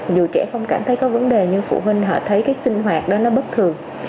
dù trẻ không cảm thấy có vấn đề nhưng phụ huynh họ thấy cái sinh hoạt đó nó bất thường